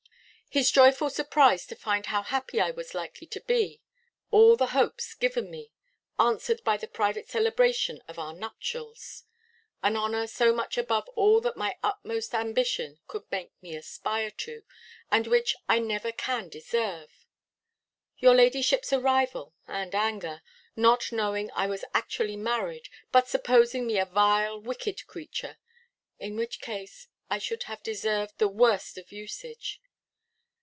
His joyful surprise to find how happy I was likely to be. All the hopes given me, answered by the private celebration of our nuptials an honour so much above all that my utmost ambition could make me aspire to, and which I never can deserve! Your ladyship's arrival, and anger, not knowing I was actually married, but supposing me a vile wicked creature; in which case I should have deserved the worst of usage.